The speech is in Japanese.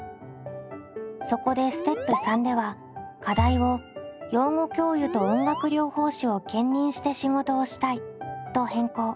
そこでステップ③では課題を「養護教諭と音楽療法士を兼任して仕事をしたい」と変更。